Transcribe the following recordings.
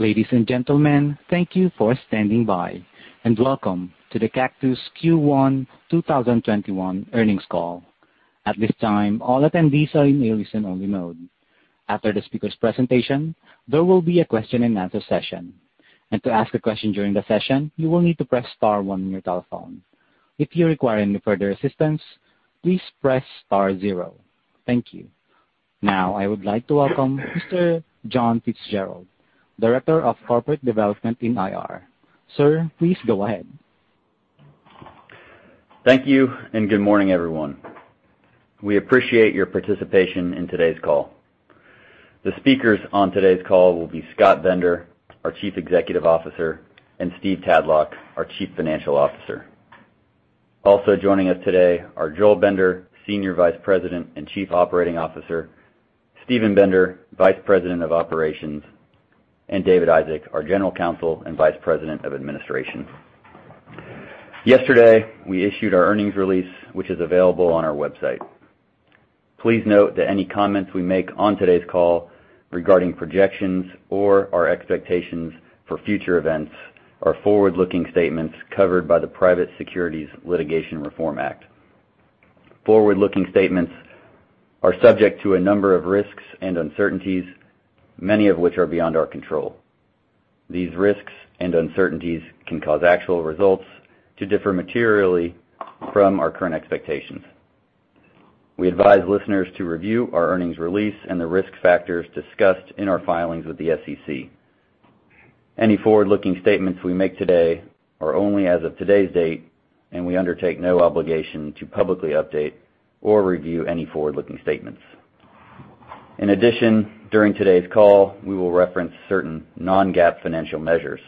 Ladies and gentlemen, thank you for standing by, and welcome to the Cactus Q1 2021 earnings call. At this time, all attendees are in a listen-only mode. After the speaker's presentation, there will be a question and answer session. To ask a question during the session, you will need to press star one on your telephone. If you require any further assistance, please press star zero. Thank you. Now I would like to welcome Mr. John Fitzgerald, Director of Corporate Development in IR. Sir, please go ahead. Thank you, and good morning, everyone. We appreciate your participation in today's call. The speakers on today's call will be Scott Bender, our Chief Executive Officer, and Stephen Tadlock, our Chief Financial Officer. Also joining us today are Joel Bender, Senior Vice President and Chief Operating Officer, Steven Bender, Vice President of Operations, and David Isaac, our General Counsel and Vice President of Administration. Yesterday, we issued our earnings release, which is available on our website. Please note that any comments we make on today's call regarding projections or our expectations for future events are forward-looking statements covered by the Private Securities Litigation Reform Act. Forward-looking statements are subject to a number of risks and uncertainties, many of which are beyond our control. These risks and uncertainties can cause actual results to differ materially from our current expectations. We advise listeners to review our earnings release and the risk factors discussed in our filings with the SEC. Any forward-looking statements we make today are only as of today's date. We undertake no obligation to publicly update or review any forward-looking statements. In addition, during today's call, we will reference certain non-GAAP financial measures.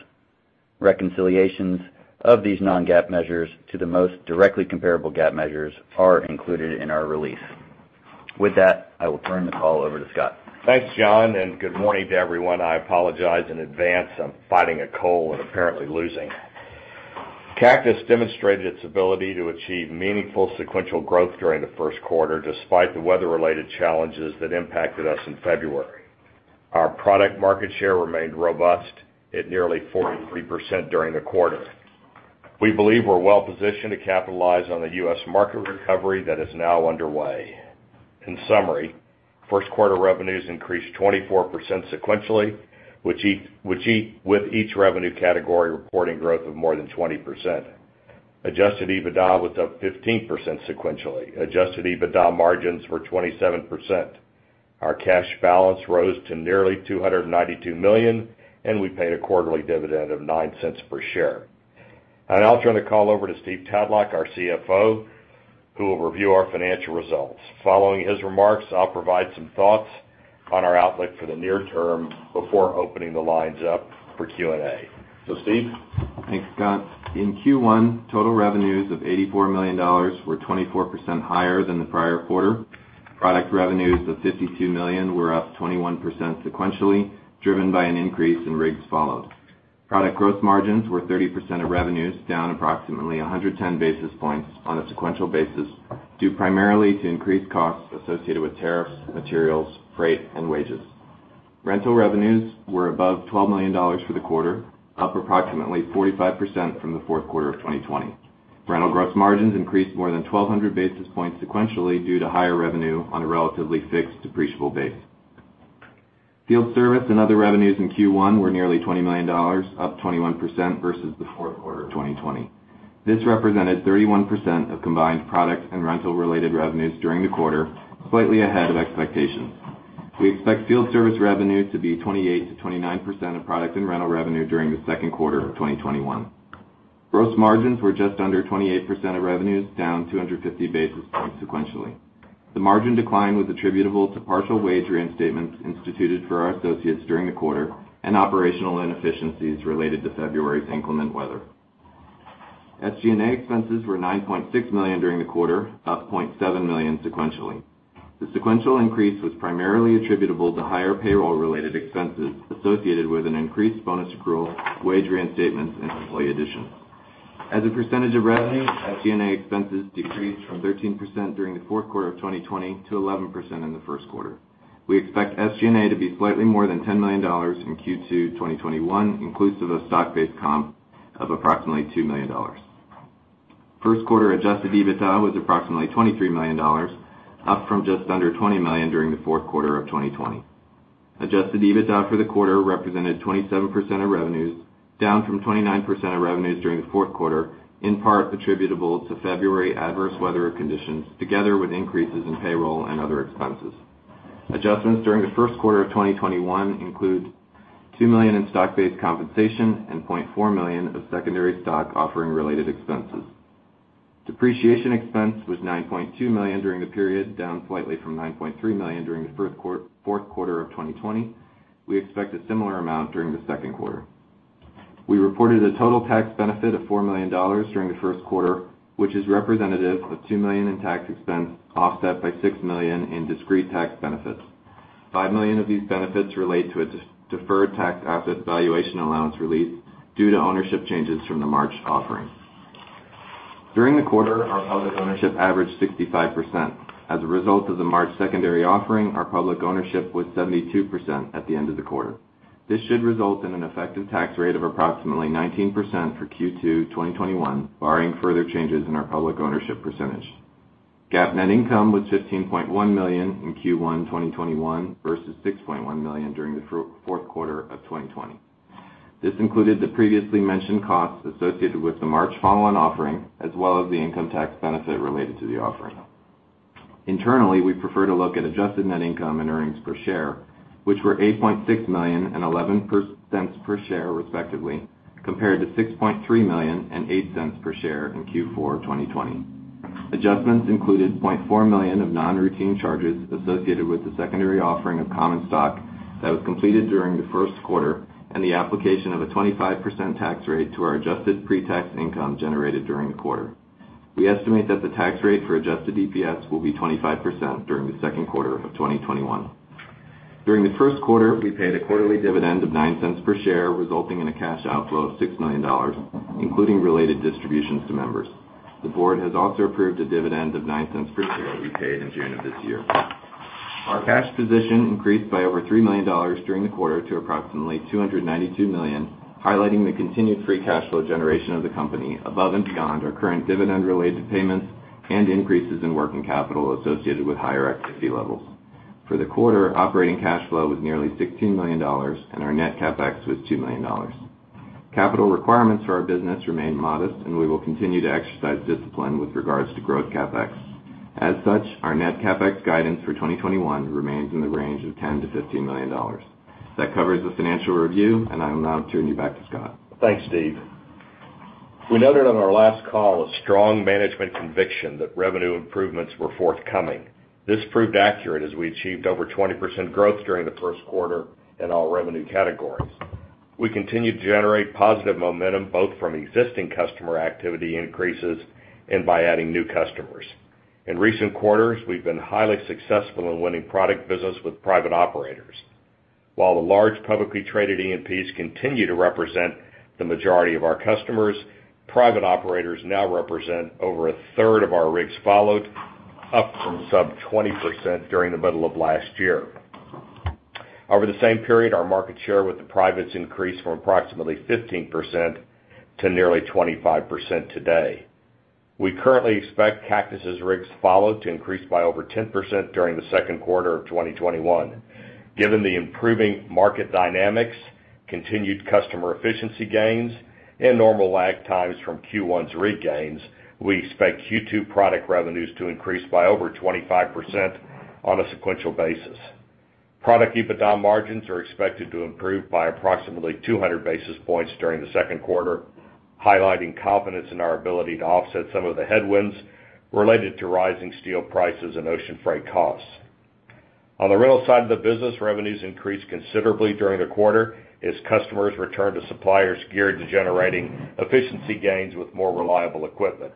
Reconciliations of these non-GAAP measures to the most directly comparable GAAP measures are included in our release. With that, I will turn the call over to Scott. Thanks, John. Good morning to everyone. I apologize in advance. I'm fighting a cold and apparently losing. Cactus demonstrated its ability to achieve meaningful sequential growth during Q1, despite the weather-related challenges that impacted us in February. Our product market share remained robust at nearly 43% during the quarter. We believe we're well positioned to capitalize on the U.S. market recovery that is now underway. In summary, Q1 revenues increased 24% sequentially, with each revenue category reporting growth of more than 20%. Adjusted EBITDA was up 15% sequentially. Adjusted EBITDA margins were 27%. Our cash balance rose to nearly $292 million, and we paid a quarterly dividend of $0.09 per share. I'll now turn the call over to Stephen Tadlock, our CFO, who will review our financial results. Following his remarks, I'll provide some thoughts on our outlook for the near term before opening the lines up for Q&A. Steve? Thanks, Scott. In Q1, total revenues of $84 million were 24% higher than the prior quarter. Product revenues of $52 million were up 21% sequentially, driven by an increase in rigs followed. Product gross margins were 30% of revenues, down approximately 110 basis points on a sequential basis, due primarily to increased costs associated with tariffs, materials, freight, and wages. Rental revenues were above $12 million for the quarter, up approximately 45% from the fourth quarter of 2020. Rental gross margins increased more than 1,200 basis points sequentially due to higher revenue on a relatively fixed depreciable base. Field service and other revenues in Q1 were nearly $20 million, up 21% versus the fourth quarter of 2020. This represented 31% of combined product and rental-related revenues during the quarter, slightly ahead of expectations. We expect field service revenue to be 28%-29% of product and rental revenue during the second quarter of 2021. Gross margins were just under 28% of revenues, down 250 basis points sequentially. The margin decline was attributable to partial wage reinstatements instituted for our associates during the quarter and operational inefficiencies related to February's inclement weather. SG&A expenses were $9.6 million during the quarter, up $0.7 million sequentially. The sequential increase was primarily attributable to higher payroll-related expenses associated with an increased bonus accrual, wage reinstatements, and employee additions. As a percentage of revenue, SG&A expenses decreased from 13% during the fourth quarter of 2020 to 11% in the first quarter. We expect SG&A to be slightly more than $10 million in Q2 2021, inclusive of stock-based comp of approximately $2 million. First quarter adjusted EBITDA was approximately $23 million, up from just under $20 million during the Fourth Quarter of 2020. Adjusted EBITDA for the quarter represented 27% of revenues, down from 29% of revenues during the Fourth Quarter, in part attributable to February adverse weather conditions together with increases in payroll and other expenses. Adjustments during the First Quarter of 2021 include $2 million in stock-based compensation and $0.4 million of secondary stock offering related expenses. Depreciation expense was $9.2 million during the period, down slightly from $9.3 million during the Fourth Quarter of 2020. We expect a similar amount during the Second Quarter. We reported a total tax benefit of $4 million during the First Quarter, which is representative of $2 million in tax expense, offset by $6 million in discrete tax benefits. $5 million of these benefits relate to a deferred tax asset valuation allowance release due to ownership changes from the March offering. During the quarter, our public ownership averaged 65%. As a result of the March secondary offering, our public ownership was 72% at the end of the quarter. This should result in an effective tax rate of approximately 19% for Q2 2021, barring further changes in our public ownership percentage. GAAP net income was $15.1 million in Q1 2021 versus $6.1 million during the fourth quarter of 2020. This included the previously mentioned costs associated with the March follow-on offering, as well as the income tax benefit related to the offering. Internally, we prefer to look at adjusted net income and earnings per share, which were $8.6 million and $0.11 per share respectively, compared to $6.3 million and $0.08 per share in Q4 2020. Adjustments included $0.4 million of non-routine charges associated with the secondary offering of common stock that was completed during the first quarter and the application of a 25% tax rate to our adjusted pre-tax income generated during the quarter. We estimate that the tax rate for adjusted EPS will be 25% during the second quarter of 2021. During the first quarter, we paid a quarterly dividend of $0.09 per share, resulting in a cash outflow of $6 million, including related distributions to members. The board has also approved a dividend of $0.09 per share to be paid in June of this year. Our cash position increased by over $3 million during the quarter to approximately $292 million, highlighting the continued free cash flow generation of the company above and beyond our current dividend related to payments and increases in working capital associated with higher activity levels. For the quarter, operating cash flow was nearly $16 million, and our net CapEx was $2 million. Capital requirements for our business remain modest, and we will continue to exercise discipline with regards to growth CapEx. As such, our net CapEx guidance for 2021 remains in the range of $10 million-$15 million. That covers the financial review, and I will now turn you back to Scott. Thanks, Stephen. We noted on our last call a strong management conviction that revenue improvements were forthcoming. This proved accurate as we achieved over 20% growth during the first quarter in all revenue categories. We continue to generate positive momentum both from existing customer activity increases and by adding new customers. In recent quarters, we've been highly successful in winning product business with private operators. While the large publicly traded E&Ps continue to represent the majority of our customers, private operators now represent over a third of our rigs followed, up from sub 20% during the middle of last year. Over the same period, our market share with the privates increased from approximately 15% to nearly 25% today. We currently expect Cactus's rigs followed to increase by over 10% during the second quarter of 2021. Given the improving market dynamics, continued customer efficiency gains, and normal lag times from Q1's rig gains, we expect Q2 product revenues to increase by over 25% on a sequential basis. Product EBITDA margins are expected to improve by approximately 200 basis points during the second quarter, highlighting confidence in our ability to offset some of the headwinds related to rising steel prices and ocean freight costs. On the rental side of the business, revenues increased considerably during the quarter as customers returned to suppliers geared to generating efficiency gains with more reliable equipment.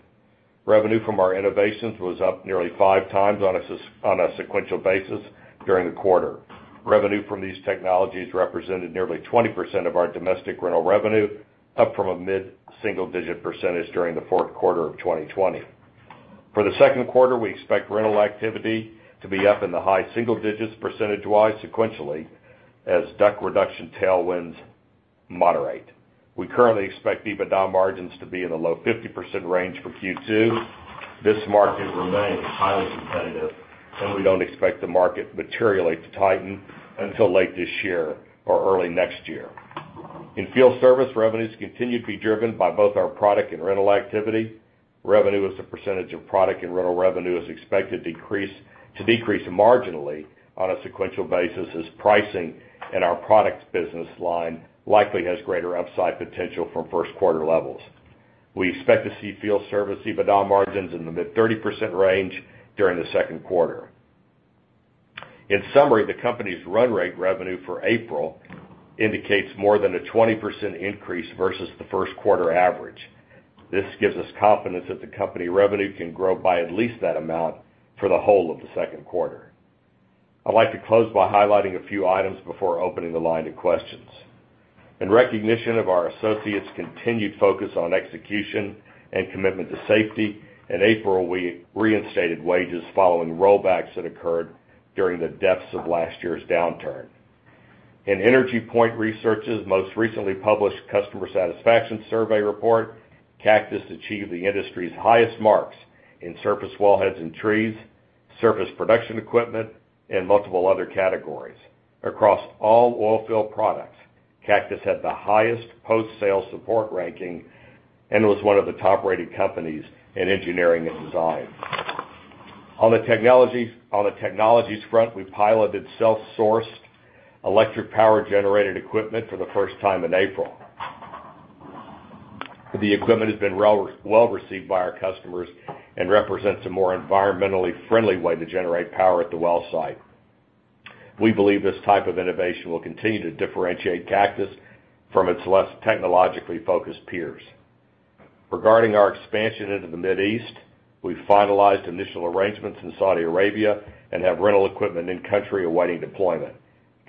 Revenue from our innovations was up nearly five times on a sequential basis during the quarter. Revenue from these technologies represented nearly 20% of our domestic rental revenue, up from a mid-single-digit percentage during the fourth quarter of 2020. For the second quarter, we expect rental activity to be up in the high single digits percentage-wise sequentially as DUC reduction tailwinds moderate. We currently expect EBITDA margins to be in the low 50% range for Q2. This market remains highly competitive, and we don't expect the market materially to tighten until late this year or early next year. In field service, revenues continue to be driven by both our product and rental activity. Revenue as a percentage of product and rental revenue is expected to decrease marginally on a sequential basis as pricing in our product business line likely has greater upside potential from first quarter levels. We expect to see field service EBITDA margins in the mid 30% range during the second quarter. In summary, the company's run rate revenue for April indicates more than a 20% increase versus the first quarter average. This gives us confidence that the company revenue can grow by at least that amount for the whole of the second quarter. I'd like to close by highlighting a few items before opening the line to questions. In recognition of our associates' continued focus on execution and commitment to safety, in April, we reinstated wages following rollbacks that occurred during the depths of last year's downturn. In EnergyPoint Research's most recently published customer satisfaction survey report, Cactus achieved the industry's highest marks in surface wellheads and trees, surface production equipment, and multiple other categories. Across all oil field products, Cactus had the highest post-sale support ranking and was one of the top-rated companies in engineering and design. On the technologies front, we piloted self-sourced electric power-generated equipment for the first time in April. The equipment has been well-received by our customers and represents a more environmentally friendly way to generate power at the well site. We believe this type of innovation will continue to differentiate Cactus from its less technologically focused peers. Regarding our expansion into the Mid East, we finalized initial arrangements in Saudi Arabia and have rental equipment in country awaiting deployment.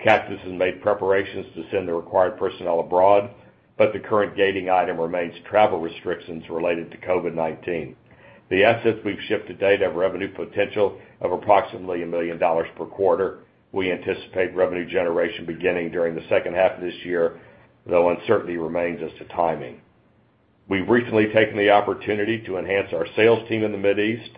Cactus has made preparations to send the required personnel abroad, but the current gating item remains travel restrictions related to COVID-19. The assets we've shipped to date have revenue potential of approximately $1 million per quarter. We anticipate revenue generation beginning during the second half of this year, though uncertainty remains as to timing. We've recently taken the opportunity to enhance our sales team in the Mid East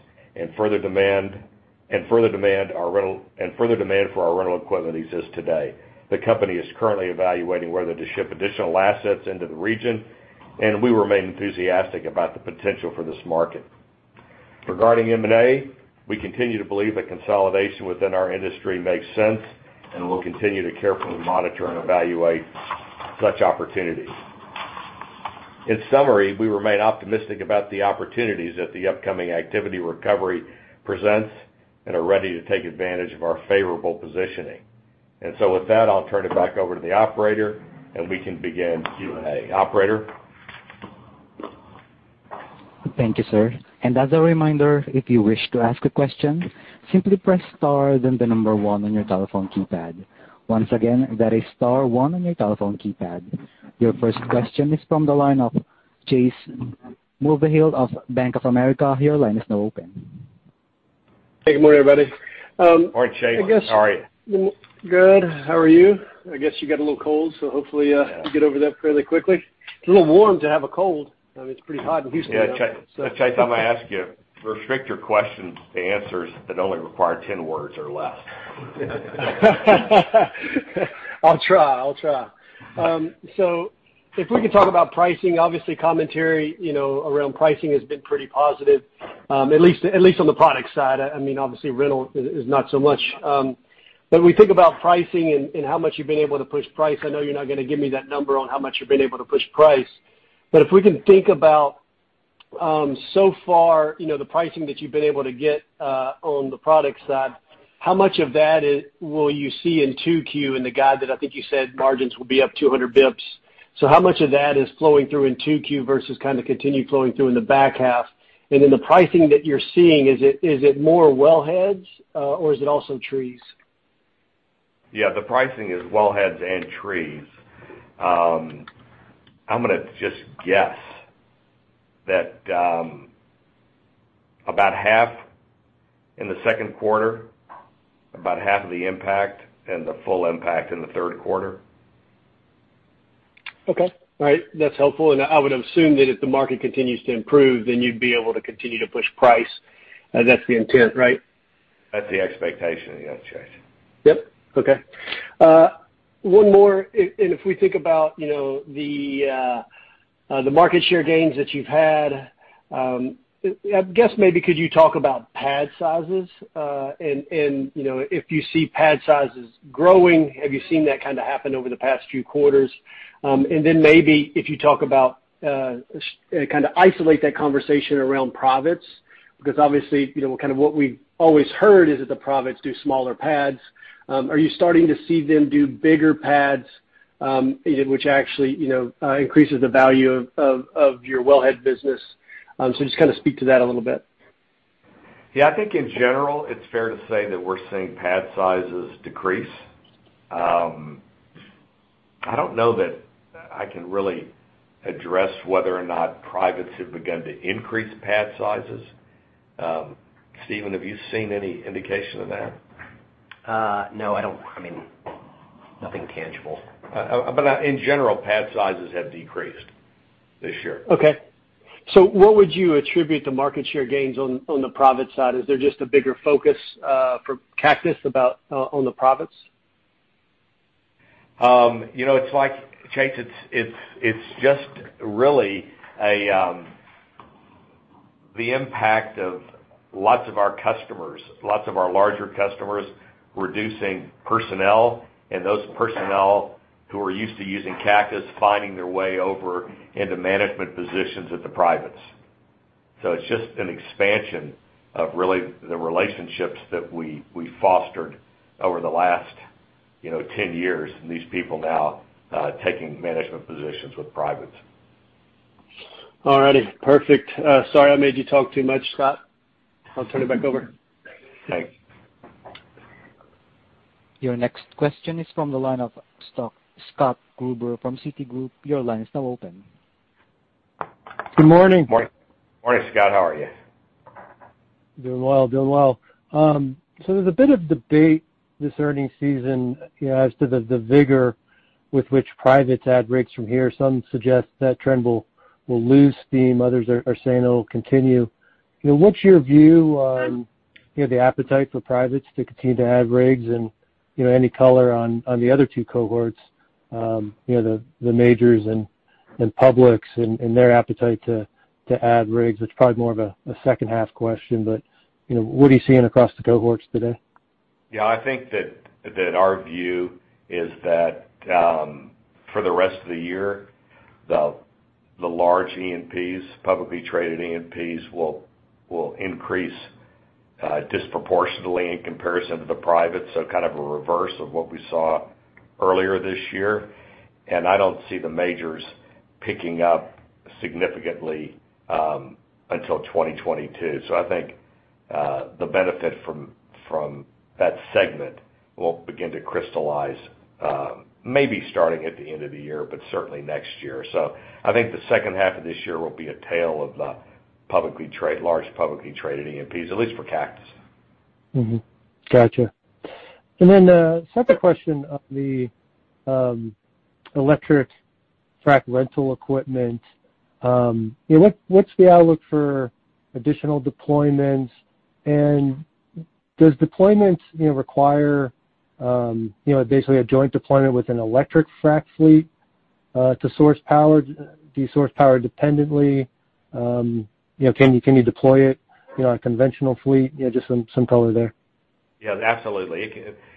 and further demand for our rental equipment exists today. The company is currently evaluating whether to ship additional assets into the region, and we remain enthusiastic about the potential for this market. Regarding M&A, we continue to believe that consolidation within our industry makes sense, and we'll continue to carefully monitor and evaluate such opportunities. In summary, we remain optimistic about the opportunities that the upcoming activity recovery presents and are ready to take advantage of our favorable positioning. With that, I'll turn it back over to the operator, and we can begin Q&A. Operator? Thank you, sir. As a reminder, if you wish to ask a question, simply press star then the number one on your telephone keypad. Once again, that is star one on your telephone keypad. Your first question is from the line of Chase Mulvehill of Bank of America. Your line is now open. Hey, good morning, everybody. Morning, Chase. How are you? Good. How are you? I guess you got a little cold. Hopefully you get over that fairly quickly. It's a little warm to have a cold. I mean, it's pretty hot in Houston. Yeah. Chase, I'm going to ask you, restrict your questions to answers that only require 10 words or less. I'll try. If we can talk about pricing, obviously commentary around pricing has been pretty positive, at least on the product side. Obviously rental is not so much. When we think about pricing and how much you've been able to push price, I know you're not going to give me that number on how much you've been able to push price. If we can think about so far the pricing that you've been able to get on the product side, how much of that will you see in 2Q in the guide that I think you said margins will be up 200 basis points. How much of that is flowing through in 2Q versus kind of continue flowing through in the back half? Then the pricing that you're seeing, is it more wellheads or is it also trees? Yeah, the pricing is wellheads and trees. I'm going to just guess that about half in the second quarter, about half of the impact and the full impact in the third quarter. Okay. All right. That's helpful. I would assume that if the market continues to improve, then you'd be able to continue to push price. That's the intent, right? That's the expectation, yes, Chase. Yep. Okay. One more. If we think about the market share gains that you've had, I guess maybe could you talk about pad sizes? If you see pad sizes growing, have you seen that kind of happen over the past few quarters? Maybe if you talk about, kind of isolate that conversation around privates, because obviously, kind of what we've always heard is that the privates do smaller pads. Are you starting to see them do bigger pads, which actually increases the value of your wellhead business? Just kind of speak to that a little bit. Yeah, I think in general, it's fair to say that we're seeing pad sizes decrease. I don't know that I can really address whether or not privates have begun to increase pad sizes. Steven, have you seen any indication of that? No, I don't. Nothing tangible. In general, pad sizes have decreased this year. Okay. What would you attribute the market share gains on the private side? Is there just a bigger focus for Cactus on the privates? Chase, it's just really the impact of lots of our customers, lots of our larger customers reducing personnel, and those personnel who are used to using Cactus finding their way over into management positions at the privates. It's just an expansion of really the relationships that we fostered over the last 10 years, and these people now taking management positions with privates. All right. Perfect. Sorry I made you talk too much, Scott. I'll turn it back over. Thanks. Your next question is from the line of Scott Gruber from Citigroup. Your line is now open. Good morning. Morning, Scott. How are you? Doing well. There's a bit of debate this earning season as to the vigor with which privates add rigs from here. Some suggest that trend will lose steam. Others are saying it'll continue. What's your view on the appetite for privates to continue to add rigs and any color on the other two cohorts, the majors and publics and their appetite to add rigs? It's probably more of a second half question, what are you seeing across the cohorts today? Yeah, I think that our view is that for the rest of the year, the large E&Ps, publicly traded E&Ps will increase disproportionately in comparison to the privates, kind of a reverse of what we saw earlier this year. I don't see the majors picking up significantly until 2022. I think the benefit from that segment will begin to crystallize, maybe starting at the end of the year, but certainly next year. I think the second half of this year will be a tale of the large publicly traded E&Ps, at least for Cactus. Got you. Second question on the electric frac rental equipment. What's the outlook for additional deployments, and does deployments require basically a joint deployment with an electric frac fleet to source power? Do you source power dependently? Can you deploy it in a conventional fleet? Just some color there. Yeah, absolutely.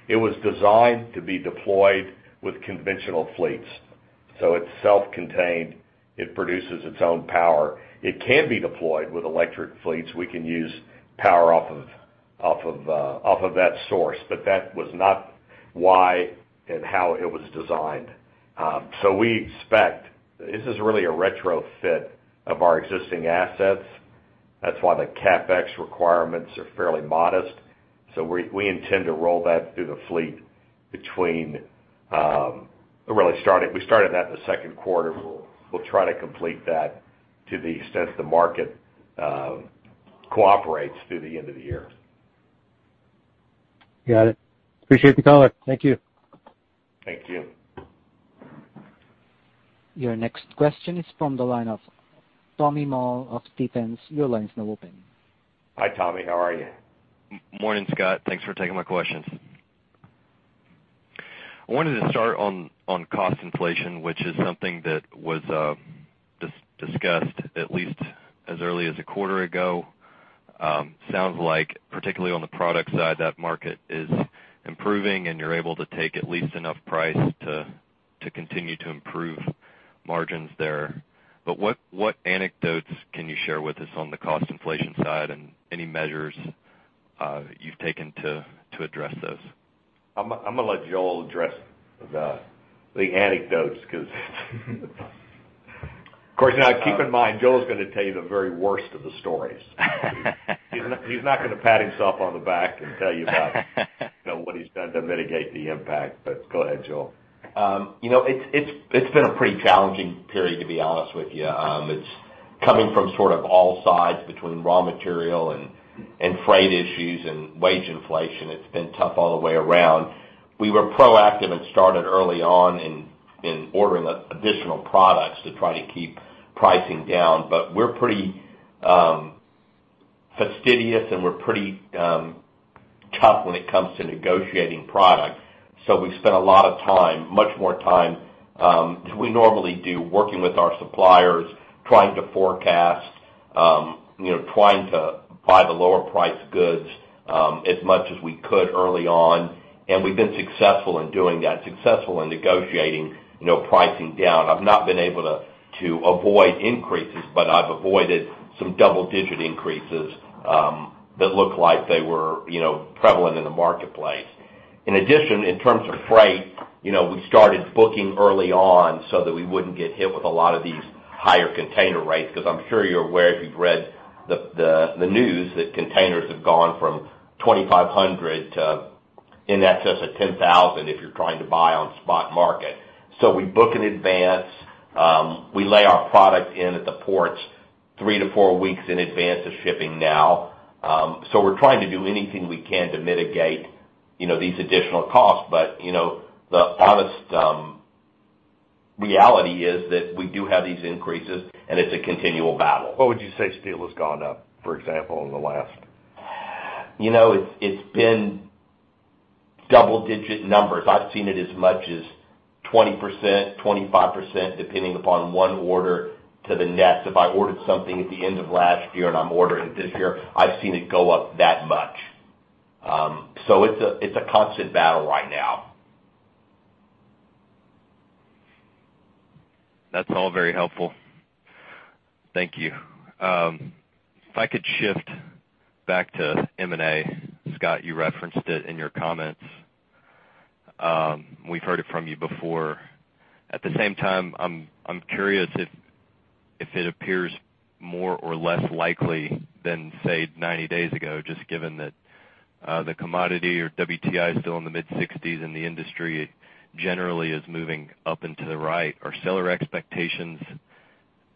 It was designed to be deployed with conventional fleets. It's self-contained. It produces its own power. It can be deployed with electric fleets. We can use power off of that source. That was not why and how it was designed. We expect this is really a retrofit of our existing assets. That's why the CapEx requirements are fairly modest. We intend to roll that through the fleet. We started that in the second quarter. We'll try to complete that to the extent the market cooperates through the end of the year. Got it. Appreciate the color. Thank you. Thank you. Your next question is from the line of Tommy Moll of Stephens. Your line's now open. Hi, Tommy, how are you? Morning, Scott. Thanks for taking my questions. I wanted to start on cost inflation, which is something that was discussed at least as early as a quarter ago. Sounds like, particularly on the product side, that market is improving, and you're able to take at least enough price to continue to improve margins there. What anecdotes can you share with us on the cost inflation side and any measures you've taken to address those? I'm going to let Joel address the anecdotes because, of course, now keep in mind, Joel's going to tell you the very worst of the stories. He's not going to pat himself on the back and tell you about what he's done to mitigate the impact. Go ahead, Joel. It's been a pretty challenging period, to be honest with you. It's coming from sort of all sides between raw material and freight issues and wage inflation. It's been tough all the way around. We were proactive and started early on in ordering additional products to try to keep pricing down. We're pretty fastidious, and we're pretty tough when it comes to negotiating product. We've spent a lot of time, much more time than we normally do, working with our suppliers, trying to forecast, trying to buy the lower priced goods as much as we could early on, and we've been successful in doing that, successful in negotiating pricing down. I've not been able to avoid increases, but I've avoided some double-digit increases that look like they were prevalent in the marketplace. In addition, in terms of freight, we started booking early on so that we wouldn't get hit with a lot of these higher container rates, because I'm sure you're aware if you've read the news, that containers have gone from $2,500 to in excess of $10,000 if you're trying to buy on spot market. We book in advance. We lay our product in at the ports three to four weeks in advance of shipping now. We're trying to do anything we can to mitigate these additional costs. The honest reality is that we do have these increases, and it's a continual battle. What would you say steel has gone up, for example, in the last? It's been double-digit numbers. I've seen it as much as 20%, 25%, depending upon one order to the next. If I ordered something at the end of last year and I'm ordering it this year, I've seen it go up that much. It's a constant battle right now. That's all very helpful. Thank you. If I could shift back to M&A. Scott, you referenced it in your comments. We've heard it from you before. At the same time, I'm curious if it appears more or less likely than, say, 90 days ago, just given that the commodity or WTI is still in the mid-60s and the industry generally is moving up and to the right. Are seller expectations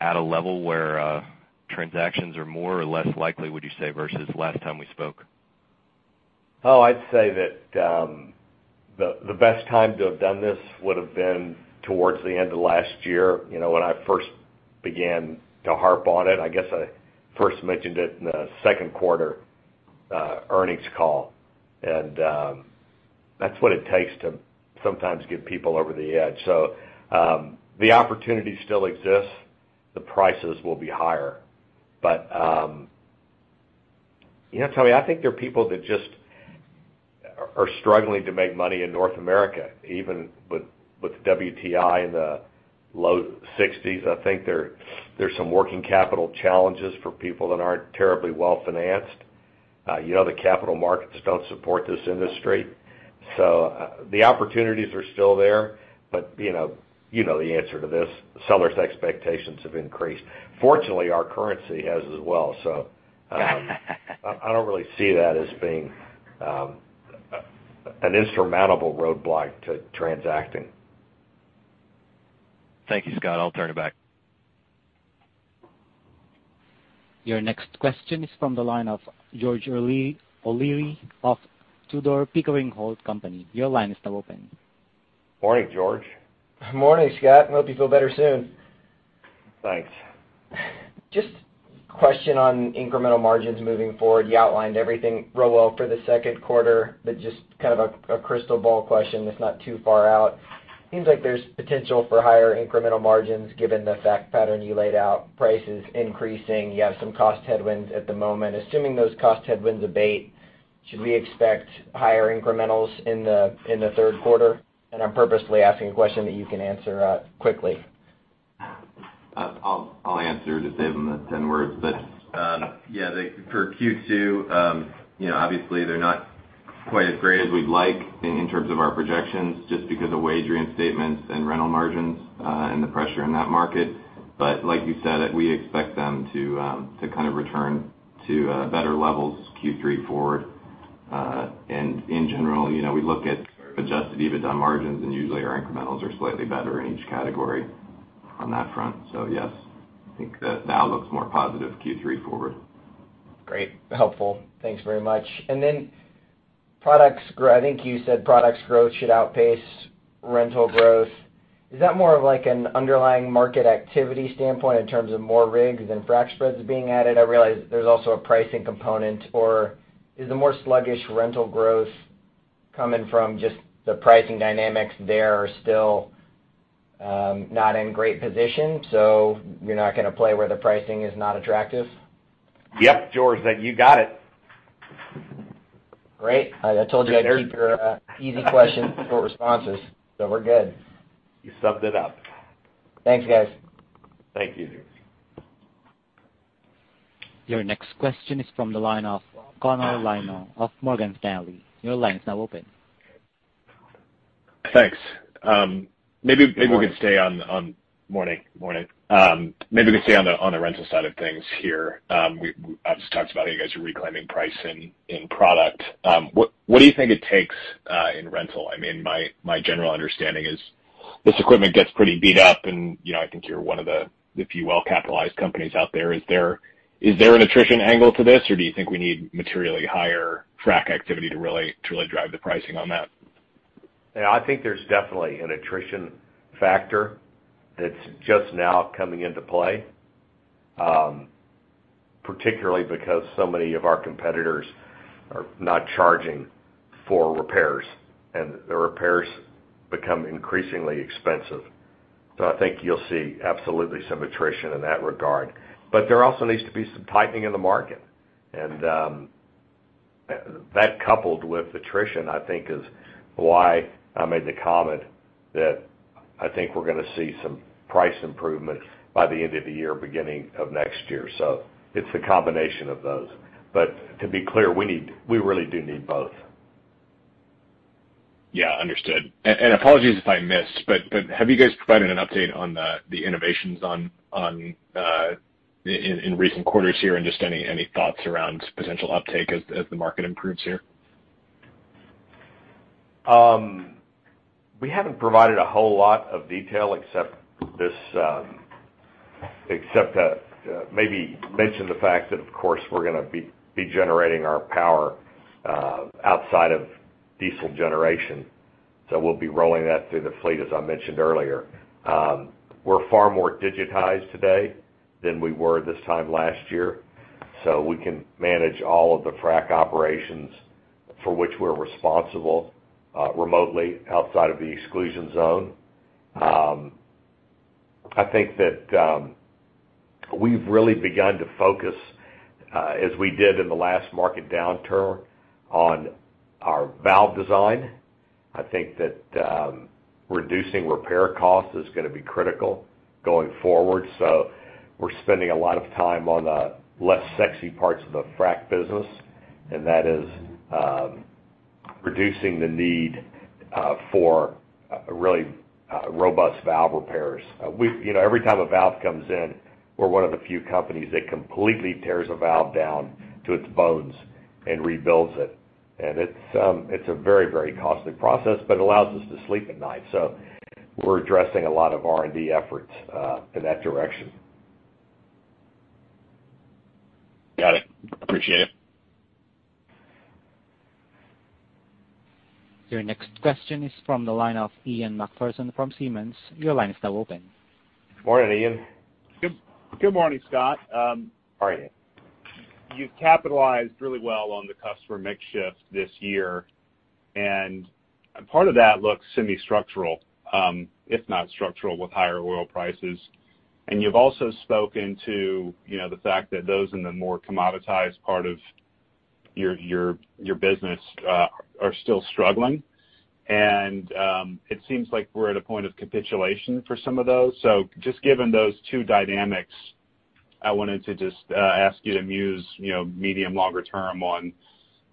at a level where transactions are more or less likely, would you say, versus last time we spoke? I'd say that the best time to have done this would've been towards the end of last year. When I first began to harp on it, I guess I first mentioned it in the second quarter earnings call. That's what it takes to sometimes get people over the edge. The opportunity still exists. The prices will be higher. Tommy, I think there are people that just are struggling to make money in North America, even with WTI in the low 60s. I think there's some working capital challenges for people that aren't terribly well-financed. The capital markets don't support this industry. The opportunities are still there, but you know the answer to this, sellers' expectations have increased. Fortunately, our currency has as well. I don't really see that as being an insurmountable roadblock to transacting. Thank you, Scott. I'll turn it back. Your next question is from the line of George O'Leary of Tudor, Pickering, Holt & Co. Your line is now open. Morning, George. Morning, Scott. I hope you feel better soon. Thanks. Just question on incremental margins moving forward. You outlined everything real well for the second quarter, but just kind of a crystal ball question that's not too far out. Seems like there's potential for higher incremental margins given the fact pattern you laid out, prices increasing, you have some cost headwinds at the moment. Assuming those cost headwinds abate, should we expect higher incrementals in the third quarter? I'm purposely asking a question that you can answer quickly. I'll answer to save him the 10 words. Yeah, for Q2, obviously they're not quite as great as we'd like in terms of our projections just because of wage reistatements and rental margins, and the pressure in that market. Like you said, we expect them to kind of return to better levels Q3 forward. In general, we look at adjusted EBITDA margins, and usually our incrementals are slightly better in each category on that front. Yes, I think that now looks more positive Q3 forward. Great. Helpful. Thanks very much. Products growth. I think you said products growth should outpace rental growth. Is that more of like an underlying market activity standpoint in terms of more rigs and frac spreads being added? I realize there's also a pricing component. Is the more sluggish rental growth coming from just the pricing dynamics there are still not in great position, so you're not going to play where the pricing is not attractive? Yep, George, you got it. Great. I told you I'd keep your easy questions, short responses. We're good. You summed it up. Thanks, guys. Thank you. Your next question is from the line of Connor Lynagh of Morgan Stanley. Your line is now open. Thanks. Morning. Morning. Morning. Maybe we can stay on the rental side of things here. I've just talked about how you guys are reclaiming price in product. What do you think it takes in rental? My general understanding is this equipment gets pretty beat up, and I think you're one of the few well-capitalized companies out there. Is there an attrition angle to this, or do you think we need materially higher frac activity to really drive the pricing on that? Yeah, I think there's definitely an attrition factor that's just now coming into play, particularly because so many of our competitors are not charging for repairs, and the repairs become increasingly expensive. I think you'll see absolutely some attrition in that regard. There also needs to be some tightening in the market. That coupled with attrition, I think is why I made the comment that I think we're going to see some price improvement by the end of the year, beginning of next year. It's the combination of those. To be clear, we really do need both. Yeah, understood. Apologies if I missed, but have you guys provided an update on the innovations in recent quarters here and just any thoughts around potential uptake as the market improves here? We haven't provided a whole lot of detail except maybe mentioned the fact that, of course, we're going to be generating our power outside of diesel generation. We'll be rolling that through the fleet, as I mentioned earlier. We're far more digitized today than we were this time last year, so we can manage all of the frac operations for which we're responsible remotely outside of the exclusion zone. I think that we've really begun to focus, as we did in the last market downturn, on our valve design. I think that reducing repair costs is going to be critical going forward. We're spending a lot of time on the less sexy parts of the frac business, and that is reducing the need for really robust valve repairs. Every time a valve comes in, we're one of the few companies that completely tears a valve down to its bones and rebuilds it. It's a very costly process, but it allows us to sleep at night. We're addressing a lot of R&D efforts in that direction. Got it. Appreciate it. Your next question is from the line of Ian MacPherson from Simmons Energy. Your line is now open. Morning, Ian. Good morning, Scott. How are you? You've capitalized really well on the customer mix shift this year, and part of that looks semi-structural, if not structural, with higher oil prices. You've also spoken to the fact that those in the more commoditized part of your business are still struggling. It seems like we're at a point of capitulation for some of those. Just given those two dynamics. I wanted to just ask you to muse medium longer term on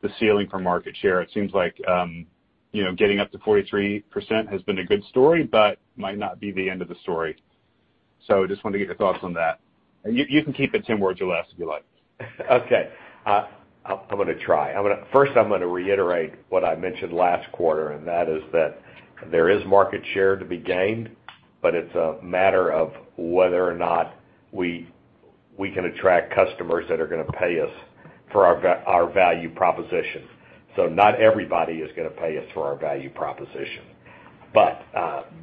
the ceiling for market share. It seems like getting up to 43% has been a good story, but might not be the end of the story. Just wanted to get your thoughts on that. You can keep it 10 words or less if you like. Okay. I'm going to try. First, I'm going to reiterate what I mentioned last quarter, and that is that there is market share to be gained, but it's a matter of whether or not we can attract customers that are going to pay us for our value proposition. Not everybody is going to pay us for our value proposition.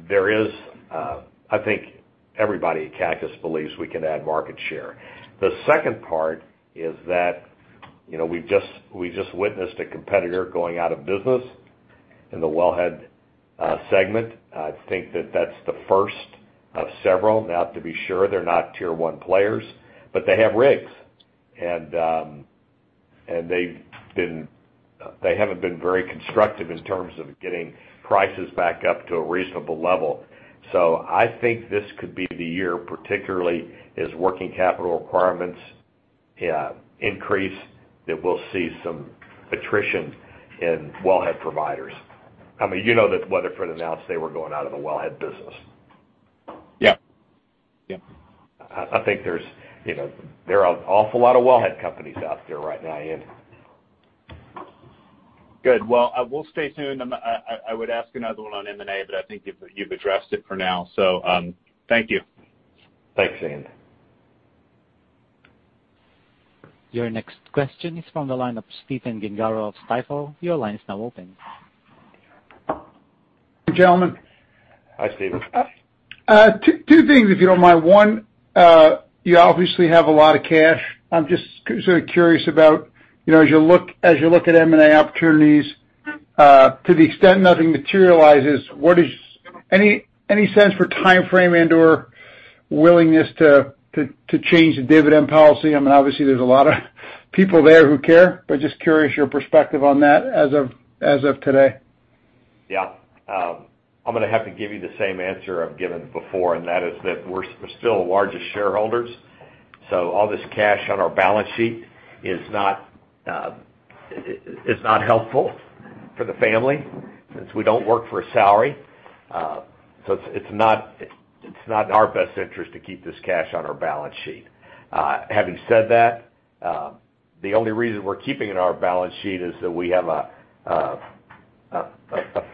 There is, I think everybody at Cactus believes we can add market share. The second part is that we just witnessed a competitor going out of business in the wellhead segment. I think that that's the first of several. To be sure, they're not tier one players, but they have rigs. They haven't been very constructive in terms of getting prices back up to a reasonable level. I think this could be the year, particularly as working capital requirements increase, that we'll see some attrition in wellhead providers. You know that Weatherford announced they were going out of the wellhead business. Yep. I think there are an awful lot of wellhead companies out there right now, Ian. Good. Well, we'll stay tuned. I would ask another one on M&A, but I think you've addressed it for now. Thank you. Thanks, Ian. Your next question is from the line of Stephen Gengaro of Stifel. Your line is now open. Gentlemen. Hi, Stephen. Two things, if you don't mind. One, you obviously have a lot of cash. I'm just sort of curious about, as you look at M&A opportunities, to the extent nothing materializes, any sense for timeframe and/or willingness to change the dividend policy? There's a lot of people there who care, but just curious your perspective on that as of today. I'm going to have to give you the same answer I've given before, and that is that we're still the largest shareholders. All this cash on our balance sheet is not helpful for the family since we don't work for a salary. It's not in our best interest to keep this cash on our balance sheet. Having said that, the only reason we're keeping it on our balance sheet is that we have a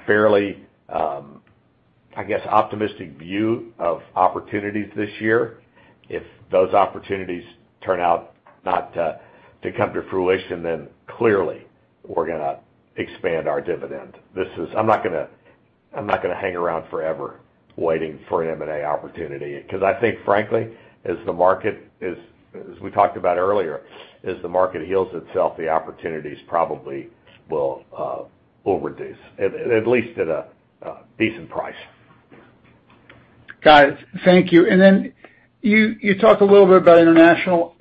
fairly, I guess, optimistic view of opportunities this year. If those opportunities turn out not to come to fruition, clearly we're going to expand our dividend. I'm not going to hang around forever waiting for an M&A opportunity, because I think frankly, as we talked about earlier, as the market heals itself, the opportunities probably will overdo, at least at a decent price. Got it. Thank you. You talk a little bit about international.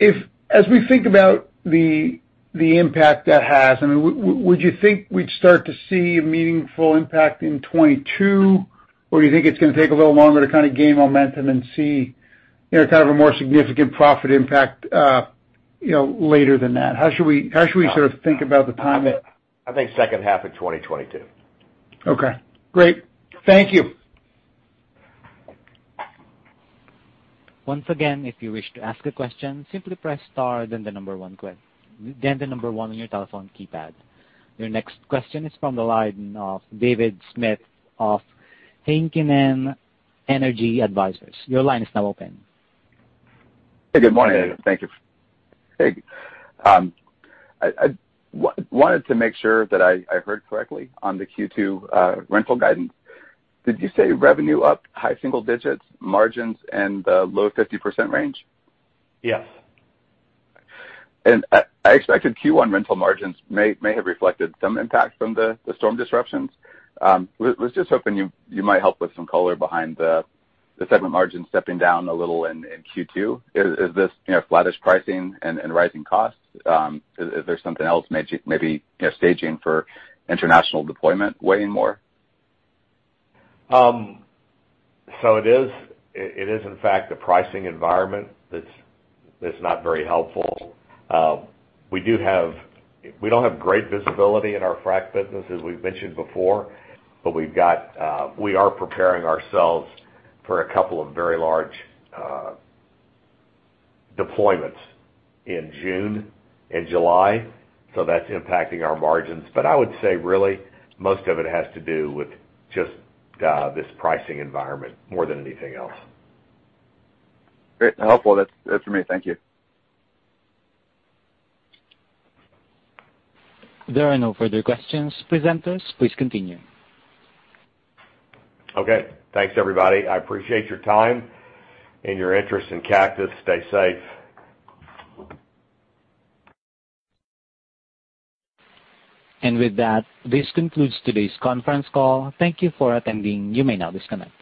As we think about the impact that has, would you think we'd start to see a meaningful impact in 2022? Do you think it's going to take a little longer to gain momentum and see a more significant profit impact later than that? How should we think about the timing? I think second half of 2022. Okay, great. Thank you. Once again, if you wish to ask a question, simply press star, then the number one on your telephone keypad. Your next question is from the line of David Anderson of Heikkinen Energy Advisors. Your line is now open. Hey, good morning, Adam. Thank you. Hey. I wanted to make sure that I heard correctly on the Q2 rental guidance. Did you say revenue up high single digits, margins, and low 50% range? Yes. I expected Q1 rental margins may have reflected some impact from the storm disruptions. Was just hoping you might help with some color behind the segment margins stepping down a little in Q2? Is this flattish pricing and rising costs? Is there something else maybe staging for international deployment weighing more? It is, in fact, the pricing environment that's not very helpful. We don't have great visibility in our frack business, as we've mentioned before, but we are preparing ourselves for a couple of very large deployments in June and July. That's impacting our margins. I would say really, most of it has to do with just this pricing environment more than anything else. Great. Helpful. That's it for me. Thank you. There are no further questions. Presenters, please continue. Okay. Thanks, everybody. I appreciate your time and your interest in Cactus. Stay safe. With that, this concludes today's conference call. Thank you for attending. You may now disconnect.